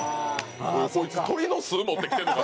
こいつ鳥の巣持ってきてるのか？